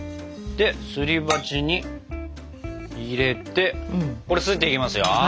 ですり鉢に入れてこれすっていきますよ。